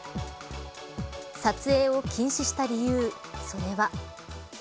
撮影を禁止した理由それは。